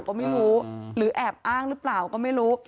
ก็ไม่รู้หรือแอบอ้างหรือเปล่าก็ไม่รู้